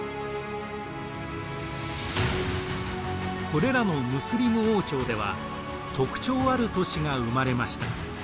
これらのムスリム王朝では特徴ある都市が生まれました。